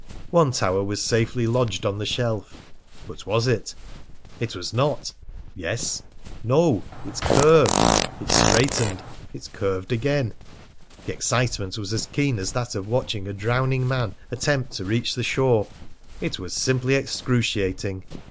One tower was safely lodged on the shelf. But was it? It was not! Yes? No! It curved; it straightened; it curved again. The excitement was as keen as that of watching a drowning man attempt to reach the shore. It was simply excruciating.